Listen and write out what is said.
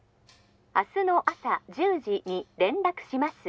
☎明日の朝１０時に連絡します